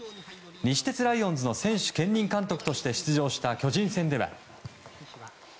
西鉄ライオンズの選手兼任監督として出場した巨人戦では。